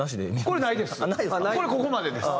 これここまでです。